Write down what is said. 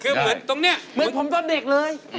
คือเหมือนตรงนี้เหมือนผมตอนเด็กเลย